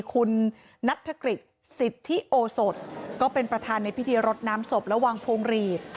คุณนัทธกฤษสิทธิโอสดก็เป็นประธานในพิธีรดน้ำศพและวางพวงหลีด